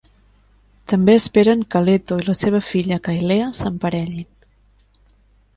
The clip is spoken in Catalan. També esperen que Leto i la seva filla, Kailea, s'emparellin.